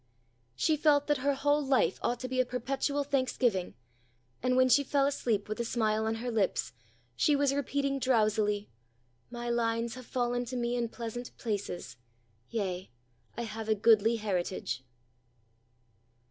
She felt that her whole life ought to be a perpetual Thanksgiving, and when she fell asleep with a smile on her lips, she was repeating drowsily: "My lines have fallen to me in pleasant places. Yea, I have a goodly heritage."